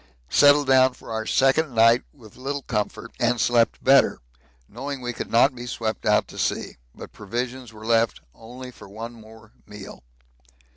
Settled down for our second night with little comfort, and slept better, knowing we could not be swept out to sea, but provisions were left only for one more meal.